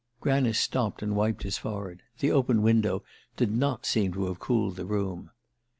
Granice stopped and wiped his forehead: the open window did not seem to have cooled the room.